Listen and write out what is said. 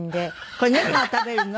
これ猫が食べるの？